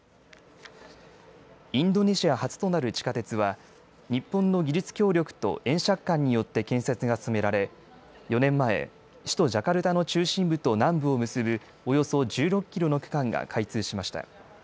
インドネシア初となる地下鉄は日本の技術協力と円借款によって建設が進められ４年前、首都ジャカルタの中心部と南部を結ぶおよそ１６キロの区間が開通しました。